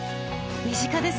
身近ですね。